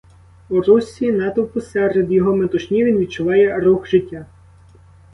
У русі натовпу, серед його метушні він відчуває рух життя.